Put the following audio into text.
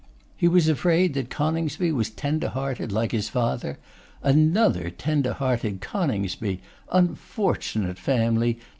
He was afraid that Coningsby was tender hearted like his father. Another tender hearted Coningsby! Unfortunate family!